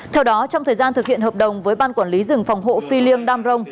theo đó trong thời gian thực hiện hợp đồng với ban quản lý rừng phòng hộ phi liêng đam rông